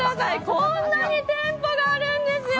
こんなに店舗があるんですよ。